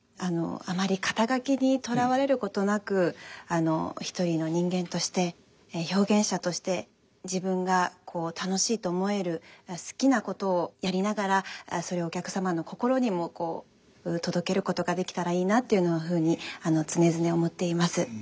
あまり肩書にとらわれることなく一人の人間として表現者として自分が楽しいと思える好きなことをやりながらそれをお客様の心にも届けることができたらいいなっていうふうに常々思っています。